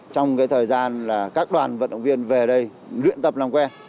trong cái thời gian là các đoàn vận động viên về đây luyện tập làm quen